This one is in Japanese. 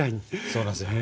そうなんすよ。